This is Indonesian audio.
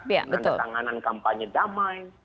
dengan tanganan kampanye damai